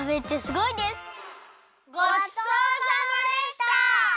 ごちそうさまでした！